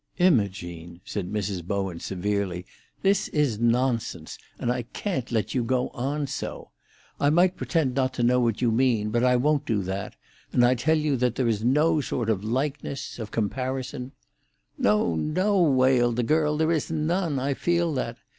"Imogene!" said Mrs. Bowen severely, "this is nonsense, and I can't let you go on so. I might pretend not to know what you mean; but I won't do that; and I tell you that there is no sort of likeness—of comparison——" "No, no," wailed the girl, "there is none. I feel that.